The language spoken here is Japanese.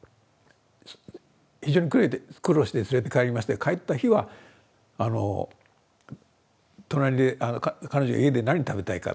非常に苦労して連れて帰りまして帰った日は隣で彼女は家で何食べたいかって。